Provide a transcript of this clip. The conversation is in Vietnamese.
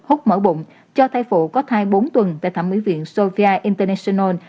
hút mở bụng cho thay phụ có thai bốn tuần tại thẩm mỹ viện sofia international